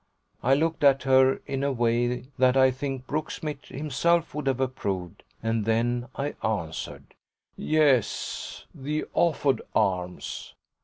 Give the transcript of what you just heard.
I looked at her in a way that I think Brooksmith himself would have approved, and then I answered: "Yes, the Offord Arms."